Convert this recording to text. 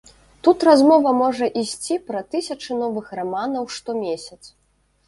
Тут размова можа ісці пра тысячы новых раманаў штомесяц.